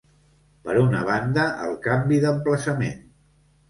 Per una banda, el canvi d’emplaçament.